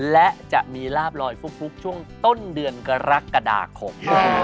และจะมีลาบลอยฟุกช่วงต้นเดือนกรกฎาคม